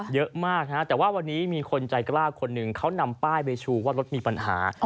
เยอะมากฮะแต่ว่าวันนี้มีคนใจกล้าคนหนึ่งเขานำป้ายไปชูว่ารถมีปัญหา